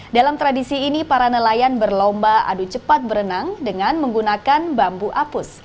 dalam tradisi ini para nelayan berlomba adu cepat berenang dengan menggunakan bambu apus